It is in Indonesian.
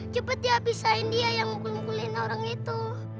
cepet ya pisahin dia yang mukul mukulin orang itu